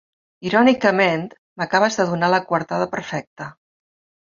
Irònicament, m'acabes de donar la coartada perfecta.